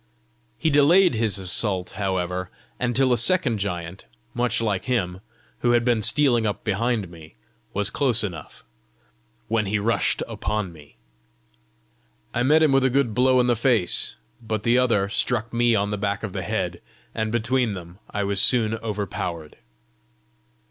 He delayed his assault, however, until a second giant, much like him, who had been stealing up behind me, was close enough, when he rushed upon me. I met him with a good blow in the face, but the other struck me on the back of the head, and between them I was soon overpowered.